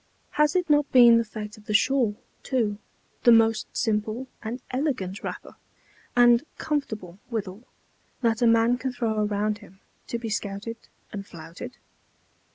Has it not been the fate of the shawl, too, the most simple and elegant wrapper, and comfortable withal, that a man can throw around him, to be scouted and flouted?